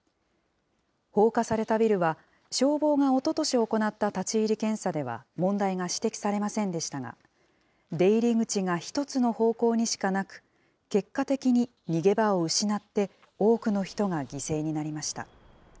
放火されたビルは、消防がおととし行った立ち入り検査では問題が指摘されませんでしたが、出入り口が１つの方向にしかなく、結果的に逃げ場を失って、多くの人が犠牲になりました。